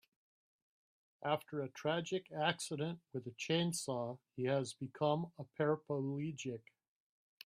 After a tragic accident with a chainsaw he has become a paraplegic.